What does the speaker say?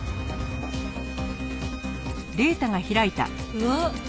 うわっ。